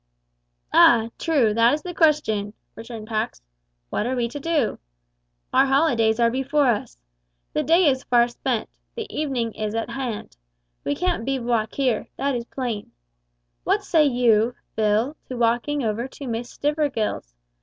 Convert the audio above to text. "Ah! true, that is the question," returned Pax; "what are we to do? Our holidays are before us. The day is far spent; the evening is at hand. We can't bivouac here, that is plain. What say you, Phil, to walking over to Miss Stivergill's?